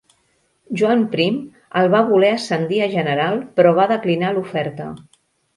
Joan Prim el va voler ascendir a general però va declinar l'oferta.